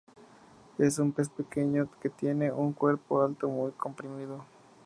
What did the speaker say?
Es un pez pequeño que tiene un cuerpo alto muy comprimido.